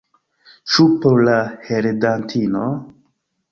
Ĉu por la heredantino?